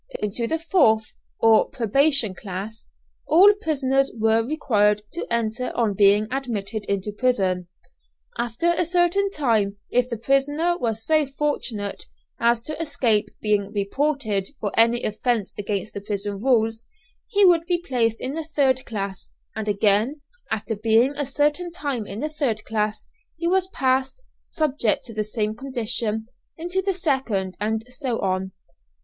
Into the fourth, or "probation class," all prisoners were required to enter on being admitted into prison. After a certain time, if the prisoner was so fortunate as to escape being "reported" for any offence against the prison rules, he would be placed in the third class, and again, after being a certain time in the third class he was passed, subject to the same condition, into the second, and so on.